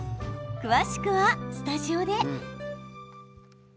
詳しくはスタジオで。